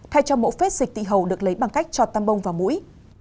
thay cho mẫu phép dịch tị hầu được lấy bằng cách trọt tăm bông vào mũi